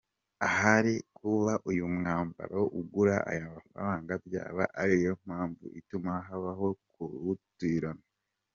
Ahari kuba uyu mwambaro ugura aya mafaranga byaba ariyo mpamvu ituma habaho kuwutirana.